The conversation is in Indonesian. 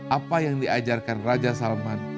apa yang diajarkan raja salman